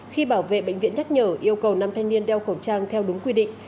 khi bảo vệ bệnh viện nhắc nhở yêu cầu nam thanh niên đeo khẩu trang theo đúng quy định